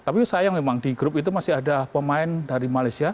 tapi sayang memang di grup itu masih ada pemain dari malaysia